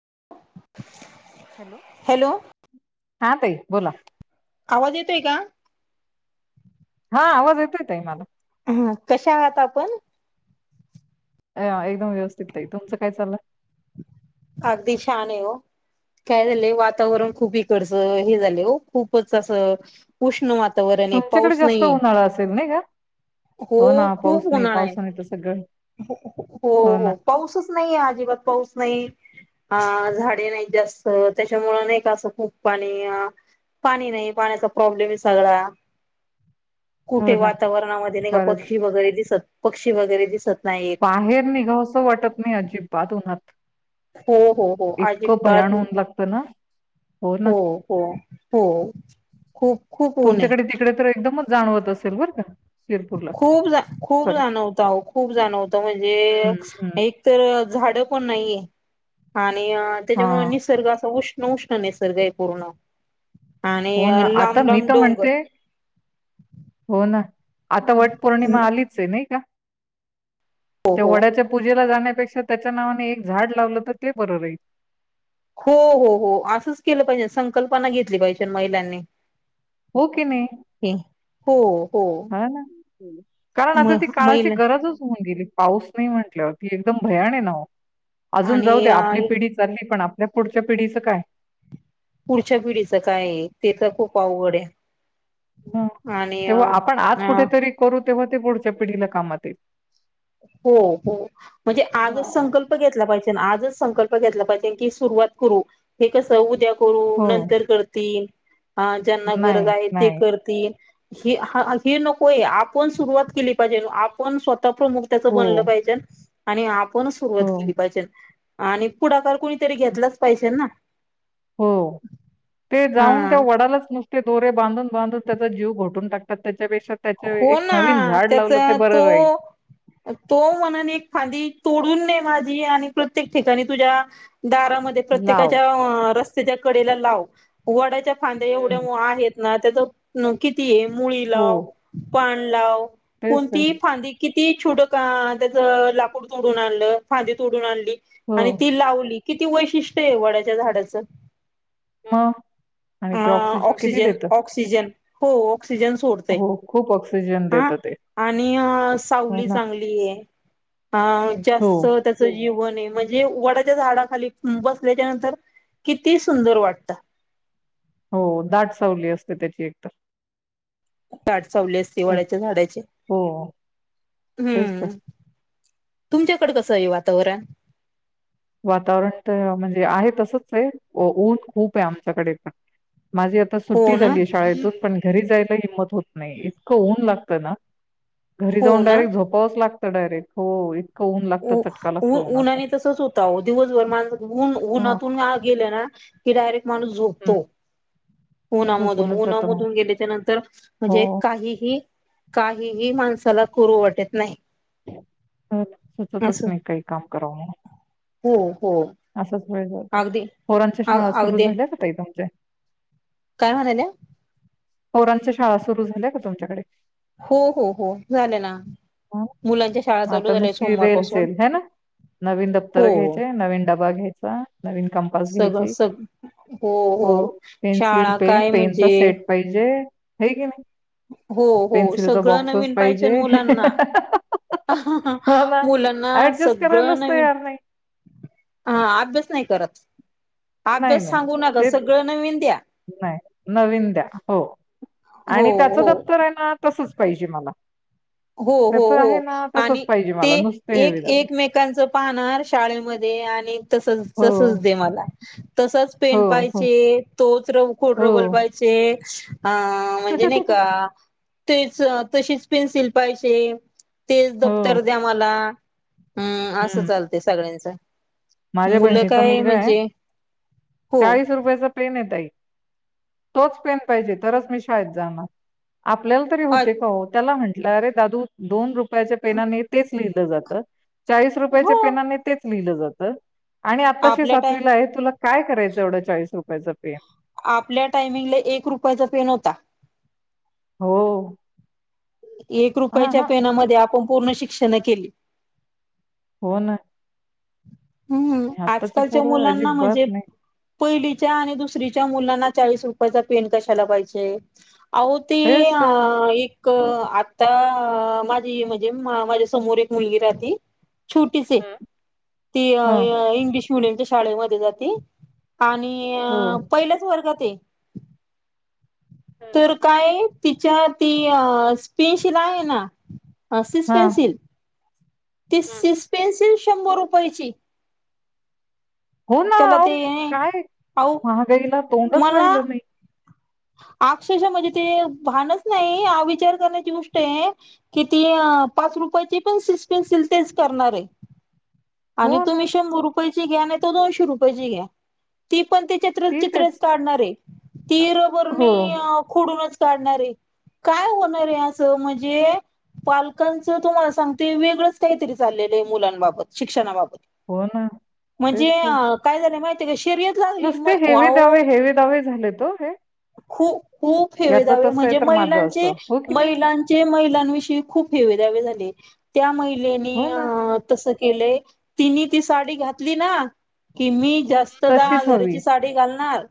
[unintelligible] Hello हा ताई बोला. आवाज येतोय का? हा आवाज येतोय ताई मला. हा कशा आहात आपण? अ एकदम व्यवस्थित ताई. तुमचं काय चाललंय? अगदी छान आहे हो काय झाले वातावरण खूप इकडच हे झाले हो खूपच असं उष्ण वात वातावरण आहे तुमच्याकडे पाऊस जास्त नाहीे उन्हाळा असेल नाही का? हो ना पाऊस खूप नाही उन्हाळा आहे पावसाने तर सगळं हो हो पाऊसच नाहीये अजिबातच पाऊस. [unintelligible] अं झाडे नाही जास्त त्याच्यामुळ नाही का असं खूप पाणी, अ पाणी नाही पाण्याचा प्रॉब्लेम आहे सगळा. हो कुठे ना वातावरणामध्ये नाही का बरंच पक्षी वगैरे दिसत. पक्षी वगैरे दिसत. नाहीत बाहेर निघावसं वाटत नाही अजिबात उन्हात. हो हो हो इतकं आजीबात भयान ऊन लागतं ना हो हो हो. खुप. तुमच्याकडे तिकडे तर एकदमच जाणवत असेल बर का. शिरपूरला खूप खूप सॉरी जाणवत खूप जाणवत म्हणजे हम्म हम्म एक तर झाड. [unintelligible] नाहीये हा. आणि हा त्याच्यामुळे निसर्ग असा उ उष्ण नाही सर काय पूर्ण. आणि हो ना लांब आता मी लांब तर डोंगर म्हणते, हो ना. आता वट पौर्णिमा आलीच आहे नाही का. हो त्या हो वड्याच्या पूजेला जाण्या पेक्षा त्याच्या नावाने एक झाड लावलं तर ते बरं राहील. हो हो हो असंच केलं पाहिजे संकल्पना घेतली पाहिजे महिलांनी. हो की नाही हो हो हं कारण म आता ती काळाची महिला गरजच होऊन गेली. पाऊस नाही म्हटल्यावरती एकदम भयान आहे ना वो. अजून जाऊ आणि दे आपली पिढी चालली पण. पुढच्या पिढीचं काय? पुढच्या पिढीचं काय ते तर खूप आवड आहे. ह आणि तेव्हा आपण आज अ कुठेतरी करू तेव्हा ते पुढच्या पिढीला कामात येईल. हो हो म्हणजे आजच संकल्प घेतला पाहिजे ना. आज च संकल्प घेतला पाहिजे की सुरुवात करू ते कसं उद्या हो. करून नंतर करतील. हा ज्यांना गरज नाही, आहे ते नाही. करतील हे हा हे नकोय आपण सुरुवात केली पाहिजे आपण स्वतः प्रमुख त्याच हो, बनलं पाहिजे. आणि आप णच हो, सुरुवात केली पाहिजे. आणि पुढाकार कुणीतरी घेतलाच पाहिजे ना. हो ते जाऊन हा त्या वडालाच नुसते दोरे बांधून बांधून त्याचा जीव घोटून टकतात त्या हो ना ते त्याचा बरं राहील. तो-तो मनाने एक फांदी तोडून ते माझी आणि प्रत्येक ठिकाणी तुझ्या दारामध्ये लाव. प्रत्येकाच्या रस त्यांच्या कडेला लाव. वडाच्या फांदे हं. एवढे मो आहेत. ना त्या तर नकी ये मुळी हो. लाव. पाण लाव. तेच तर. कोणती फांदी किती ती छोड का त्याचं लाकूड तोडून आणलं फांदीे तोडून आण ली हो. आणि ती लावली किती वैशिष्ट्य आहे वडाच्या झाडाचं. मग आणि अ ते ऑक्सिजन किती देत. ऑक्सिजन हो. ऑक्सिजन सोडते. ऑक्सिजन हा देतं ते. आणि अ हो सावली ना. चांगली आहे. हा हो, जास्त त्याच जीवन म्हणजे वडाच्या झाडाखाली बसल्याच्या नंतर किती सुंदर वाटत. हो दाट सावली असते, त्याची एकतर [unintelligible] सवली असते हो. वाड्याच्या झाडाची, हो, तेच तर हम्म! तुमच्याकडे कसं आहे वातावरण? वातावरण तर म्हणजे आहे तसच आहे. ऊन खूप आहे आमच्याकडे पण. माझी आता हो सुट्टी ना झाली शाळेतूनच पण घरी जायला हिंमत होत नाही. इतकं ऊन लागतं ना घरी हो जाऊन ना डायरेक्ट झोपावच लागत डारेक्ट होय. उ उन्हाने तसच होत दिवसभर मानस हां. उन्हातून गेले ना पुजारी. माणूस हं, झोपतो. उन्हामधून झोपूनच जातं मग उन्हामधून गेल्याच्या नंतर, हो म्हणजे काहीही काहीही माणसाला करू वाटत नाही. हो सुचतच असं नाही, काही काम करव म्हणून. हो हो असाच वेळ जातो. अगदी पोरांच्या अ शाळा सुरू अगदी झाल्या का ताई तुमच्या? काय म्हणाल्या? पोरांच्या शाळा सुरू झाल्या का तुमच्याकडे? हो हो हो झाले ना. ह मुलांच्या शाळा म चालू आता झाल्या नुसती रेल सोमवारपासून चेल ह ना नवीन हो दप्तर घ्यायचे, नवीन डबा घ्यायचा, नवीन कमपास सगळं घ्यायची, सग हो पेन्सिल, शाळा पेन, काय पेनचा म्हणजे सेट पाहिजे. होय की नाही. हो हो पेन्सिलचा सगळं बॉक्सच नवीन पाहिजे, मुला हो ना मुलांना ऍडजस्ट सगळ करायलाच नवीन. तयार नाही. ह अभ्यास नाही करत. नाही अभ्यास नाही सांगू नका ते सगळं नवीन द्या नाही. नवीन द्या हो. हो आणि त्याच हो दप्तर आहे ना तसच पाहिजे मला. हो हो त्याचं हो आहे ना तसंच आणि पाहिजे ते मला नुसते हेवे एक दावे. एकमेकांच पाहणार शाळेमध्ये आणि तस हो, तसच दे मला, तसच पेन हो, हो, पायचे तोच कत्र खोडलबर हो. पाहिजे. [unintelligible] हा म्हणजे नाही का. तेच तसेच पेन्सिल पाहिजे. तेच हो, दप्तर द्या मला. हम्म असं हं. चालते सगळ्यांचं. माझ्या बहिणीचा मुलगा आहे हो चाळीस रुपयाचा प्लेन ये ताई. तोच पेन पाहिजे तरच मी शाळेत जाणार आपल्याला तरी अ होते का हो त्याला म्हण ल अरे दादू दोन रुप यच्या पेनाने तेच लिहिलं जात. चाळीस रुपयाच्या हो पेनाने तेच लिहिलं जातं. तं. आणि आताशी आपल्या टाय सातवीला आहे तुला काय करायचं एवढा चाळीस रुप याचा पेन. आपल्या टायमिंगला एक रुपयाचा पेन होता. हो. एक हां, रुपयाच्या हां. पेनामध्ये आपण पूर्ण शिक्षणं केली. हो ना. हम्म आत्ताची आजकालच्या पोरं मुलांना अजिबात म्हणजे नाही. पहिली त्या आणि दुसरीच्या मुलांना चाळीस रुपयाचा पेन कशाला पाहिजे. अहो ती तेच तर. एक क आता माझी म्हणजे माझ्या समोर एक मुलगी राहती. छोटी सी. हं. ती हं, इंग्लि श मुलींच्या शाळेमध्ये जाते. आणि हो. पहिल्याच वर्गात ते हं. तर काय तिच्या ती स्पीशील आहे ना. सिस हां. पेन्सिल. ती हं. सिस पेन्सिल शंभर रुपयाची. हो ना, त्याला अ ते काय अहो महागाईला तोंडच मला राहिलं नाही. अक्षरशः म्हणजे ते भानच नाही हा विचार करण्याची गोष्ट आहे कि ती पाच रुपयाची पण सिस पेनसिल तेच करणार आहे. आणि हो ना, तुम्ही शंभर रूपये ची घ्या नाही तर दोनशे रुपयाची घ्या ती पण ते च ती चित्र तेच. काढणारे ती हो, आणि खुडु च काढणारे काय होणार आहे अस म्हणजे पालकांच तुम्हाला सांगते वेगळंच काहीतरी चाललेल आहे मुलांबाबत शिक्षणाबाबत. हो ना, म्हणजे तेच तर. अ काय झालं माहित [unintelligible] नुसते हेवे दावे हेवे दावे झाले तो हे. खूप खूप हेवे याचं दावे तसं आहे म्हणजे तर माझं महिलांचे असं. हो की नाही? महिलांचे महिलांविषयी खूप हेवे दावे झाले. त्यामु हो ना, ळे तस केले तिने ती साडी घातली ना. कि मी जास्त दहा तशीच हवी. हजाराची साडी घालणार.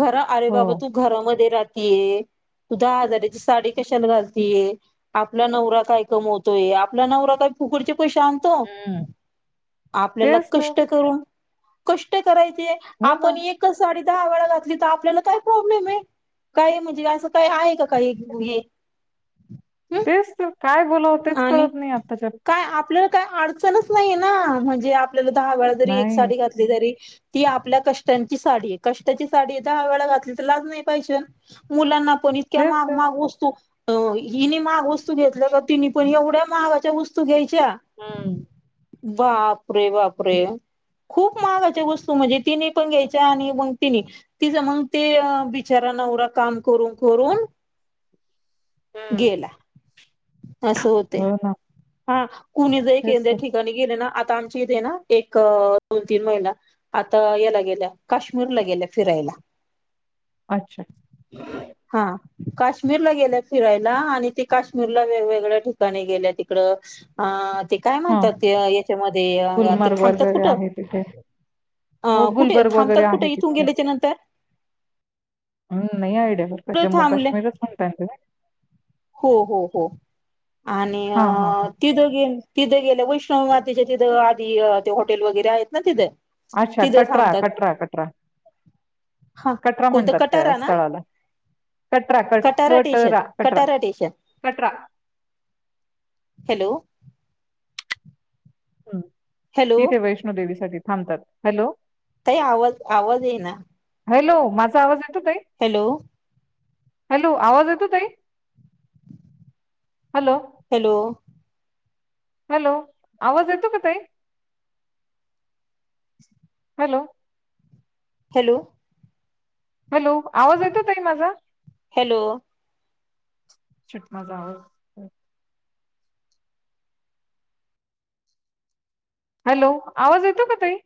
घर आरे हो. बाप ग तू घरामध्ये राह तीय तू दहा हजाराची साडी कशाला घालतीय आपला नवरा काय कमवतोय आपल्या नवरा काय फुकटचे पैसे आणतो हं, आपल्याला तेच तर. कष्ट करून कष्ट करायच ते हो ना, आपण एकच साडी दहा वेळा घातली तर आपल्याला काय प्रॉब्लेम आहे काही म्हणजे असं काही आहे का काही हे हम् तेच तर. काय बोलावं तेच कळत नाही आत्ताच्या काही अडचणच नाहीे ना म्हणजे आपल्या दहा वेळा जरी एक नाही, साडी घातली तरी ती आपल्या कष्टांची साडी आहे कष्टाची साडी दहा वेळा घातली तर लाज नाही पाहिजे मुलांना पण इतक्या तेच माग तर. माग वस्तू. हिनी माग वस्तू घेतल्या का तीनही पण एवढ्या महागाच्या वस्तू घ्याय हम्म. बाप अरे बापरे. खूप महागाच्या वस्तू म्हणजे तिने पण घ्यायच्या आणि मग तिनें तिचां मग ते बिचारा नवरा काम करून करून, हं. गेला. असं होतय. हो ना, हां कुणी जरी तेच त्या तर. ठिकाणी ग गेलं ना. आता आमची इथे ना एक दोन तीन महिना आता याला गेल्या काश्मीरला गेल्या फिरायला. अच्छा हा काश्मीरला गेल्यात फिरायला आणि ते काश्मीरला वेगवेगळ्या ठिकाणी गेल्या त तिकडं अ ते काय हां, म्हणतात याच्यामध्ये ते गुलमर्ग थांबतात वगैरे कुठं आहे तिथे. हो, अं कुठे गुलबर्ग थांबतात वगैरे कुठं आहे इथून तिथे. गेल्याच्या नंतर? अं, नाही आयडिया बरं जम्मू थांबले काश्मीरच म्हणताय ना तुम्ही. हो हो हो आणि हां, हां, हां. अं ती दोघे तिथे गेले. वैष्णव मातेचे तिथं आधी ते हॉटेल वगैरे आहेत ना तिथ. अच्छा कटरा कटरा कटरा हा कटरा कोणतं म्हणतात त्या कटारा ना स्थळाला कटरा कट कटारा स्टेशन कटरा. कटरा हॅलो हम्म हॅलो तिथे वैष्णो देेवीसाठी थांबतात. हॅलो ताई आवाज आवाज येईना. हॅलो माझा आवाज येतो ताई हॅलो हॅलो आवाज येतो ताई. हॅलो हॅलो हॅलो आवाज येतो का ताई. हॅलो हॅलो हॅलो आवाज येतो ताई माझा. हॅलो छट माझा आवाज हॅलो आवाज येतो का ताई.